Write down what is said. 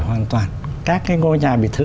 hoàn toàn các cái ngôi nhà biệt thự